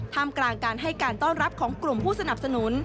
กลางการให้การต้อนรับของกลุ่มผู้สนับสนุน